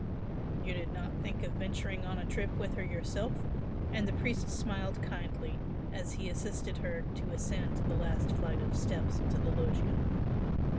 "You did not think of venturing on a trip with her yourself?" and the priest smiled kindly, as he assisted her to ascend the last flight of steps to the loggia.